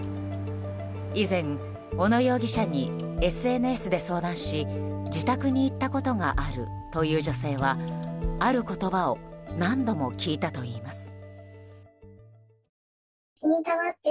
以前小野容疑者にＳＮＳで相談し自宅に行ったことがあるという女性はある言葉を何度も聞いたといいます。